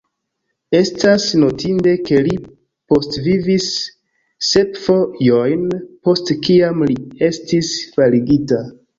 Estas notinde, ke li postvivis sep fojojn post kiam li estis faligita.